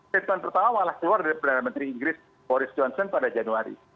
sesuatu yang pertama walaupun luar dari perdana menteri inggris boris johnson pada januari